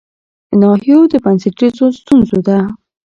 ناحيو د بنسټيزو ستونزو د